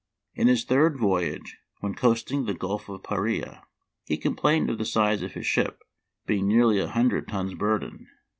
In his third voyage, when coasting the gulf of Paria, he complained of the size of his ship, being nearly a hundred tons burden.